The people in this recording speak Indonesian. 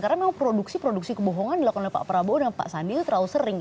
karena memang produksi produksi kebohongan dilakukan oleh pak prabowo dan pak sandi itu terlalu sering